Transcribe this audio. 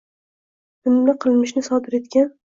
Bunda qilmishni sodir etgan